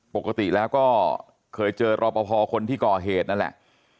ปกติแล้วก็เคยเจอรอปภคนที่ก่อเหตุนั่นแหละ